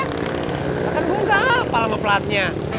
bahkan gue gak hafal sama pelatnya